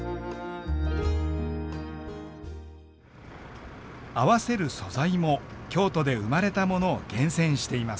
合わせる素材も京都で生まれたものを厳選しています。